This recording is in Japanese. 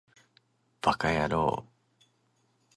ヴぁかやろう